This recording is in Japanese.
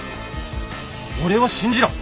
俺を信じろ！